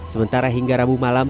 sementara hingga rabu malam